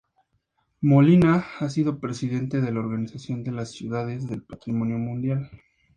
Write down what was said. Molina ha sido Presidente de la Organización de las Ciudades del Patrimonio Mundial.